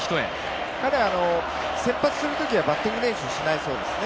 彼は先発するときはバッティング練習はしないそうですね。